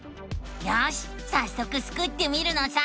よしさっそくスクってみるのさ！